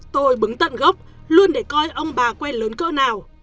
tôi bưng tận gốc luôn để coi ông bà quen lớn cỡ nào